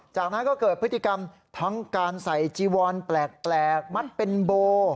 จากนั้นก็เกิดพฤติกรรมทั้งการใส่จีวอนแปลกมัดเป็นโบ